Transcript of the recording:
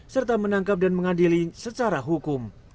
serta menangkap dan mengadili secara hukum